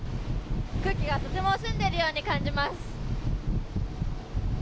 空気がとても澄んでいるように感じます。